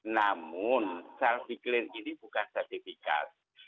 namun self declare ini bukan sertifikat